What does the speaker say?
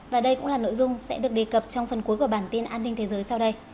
và đây cũng là nội dung sẽ được đề cập trong phần cuối của bản tin an ninh thế giới sau đây